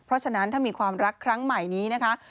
เพราะฉะนั้นถ้ามีความรักครั้งใหม่นี้นะคะ